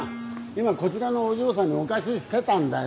今こちらのお嬢さんにお貸ししてたんだよ。